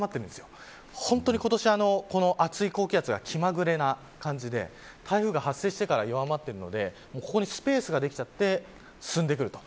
今年、本当に暑い高気圧が気まぐれな感じで台風が発生してから弱まっているのでここにスペースができちゃって、進んでくる。